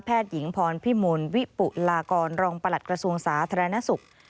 แพทย์หญิงพรพี่มุนวิปุรากรรองประหลัดกระทรวงศาสตร์ธรรณสุข